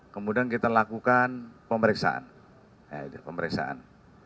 kemudian kita lakukan pemeriksaan ya itu pemeriksaan